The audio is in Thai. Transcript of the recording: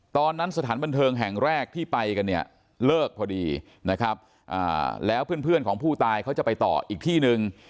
ตอนนั้นสถานบันเทิงแห่งแรกที่ไปกันเนี่ยเลิกพอดีนะครับแล้วเพื่อนของผู้ตายเขาจะไปต่ออีกที่นึง